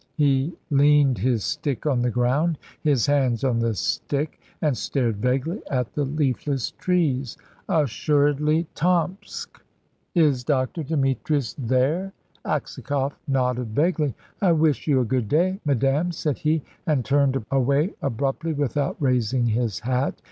He leaned his stick on the ground, his hands on the stick, and stared vaguely at the leafless trees. "Assuredly Tomsk." "Is Dr. Demetrius there?" Aksakoff nodded vaguely. "I wish you a good day, madame," said he, and turned away abruptly without raising his hat.